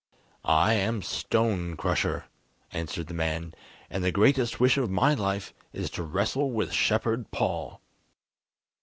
"I am Stone Crusher," answered the man, and the greatest wish of my life is to wrestle with Shepherd Paul."